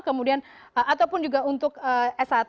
kemudian ataupun juga untuk s satu